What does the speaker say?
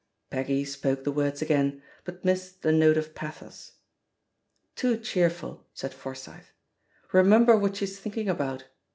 " Peggy spoke the words again, but missed the note of pathos. "Too cheerful," said Forsyth. "Remember what she's thinking about.